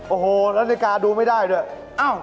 โอ้โหแล้วนาฬิกาดูไม่ได้ด้วย